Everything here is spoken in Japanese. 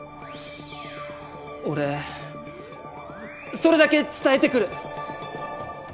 俺それだけ伝えてくる。